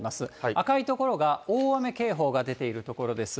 赤い所が大雨警報が出ている所です。